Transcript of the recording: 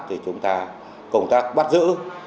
thì chúng ta công tác bắt giữ